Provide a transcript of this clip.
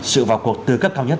sự vào cuộc tư cấp cao nhất